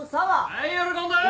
はい喜んで！